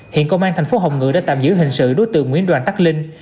hiện công an thành phố hồng ngự đã tạm giữ hình sự đối tượng nguyễn đoàn đắc linh